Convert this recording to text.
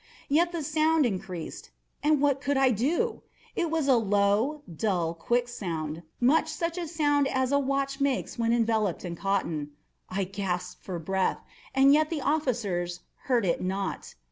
Yet the sound increased—and what could I do? It was a low, dull, quick sound—much such a sound as a watch makes when enveloped in cotton. I gasped for breath—and yet the officers heard it not.